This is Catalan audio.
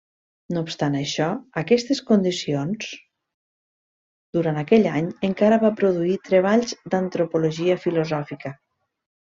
No obstant això aquestes condicions, durant aquell any encara va produir treballs d'antropologia filosòfica.